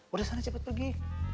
udah sana cepat pergi